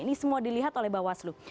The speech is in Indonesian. ini semua dilihat oleh bawaslu